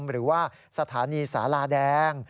หรือว่าสถานีสาลาแดง